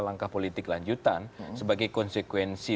langkah politik lanjutan sebagai konsekuensi